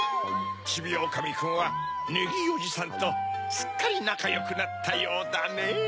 ちびおおかみくんはネギーおじさんとすっかりなかよくなったようだねぇ。